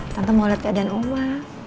tante mau lihat keadaan oma